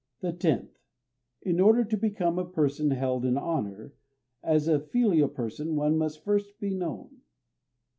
The tenth: In order to become a person held in honor, As a filial person one must [first] be known.